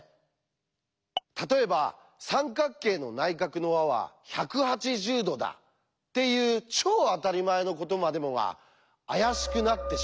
例えば「三角形の内角の和は１８０°だ」っていう超当たり前のことまでもがあやしくなってしまった。